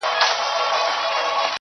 نقادان يې تحليل کوي تل,